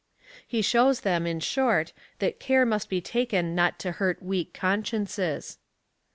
He shows then, in short, that care must be taken not to hurt weak consciences.